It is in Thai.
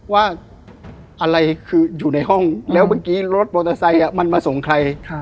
ว่าอะไรคืออยู่ในห้องแล้วเมื่อกี้รถมอเตอร์ไซค์มันมาส่งใคร